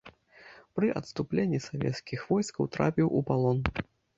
Пры адступленні савецкіх войскаў трапіў у палон.